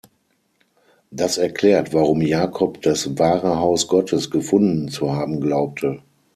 Das erklärt, warum Jakob das wahre „Haus Gottes“ gefunden zu haben glaubte.